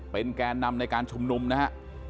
เป็นแกนนำในการชุมนุมนะฮะ